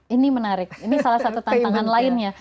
ini menarik ini salah satu tantangan lainnya